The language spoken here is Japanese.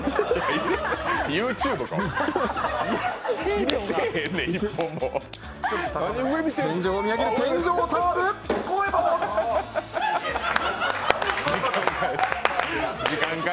ＹｏｕＴｕｂｅか！